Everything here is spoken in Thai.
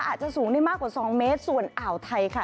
อาจจะสูงได้มากกว่าสองเมตรส่วนอ่าวไทยค่ะ